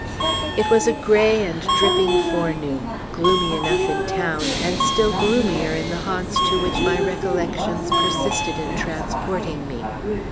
It was a gray and dripping forenoon; gloomy enough in town, and still gloomier in the haunts to which my recollections persisted in transporting me.